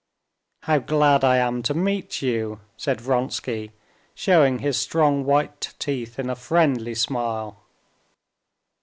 "How glad I am to meet you!" said Vronsky, showing his strong white teeth in a friendly smile.